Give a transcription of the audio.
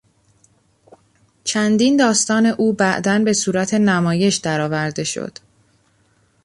چندین داستان او بعدا به صورت نمایش درآورده شد.